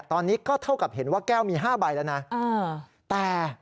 ตอนนี้ก็เท่ากับเห็นว่าแก้วมี๕ใบแล้วนะแต่